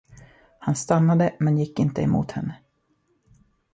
Han stannade men gick inte emot henne.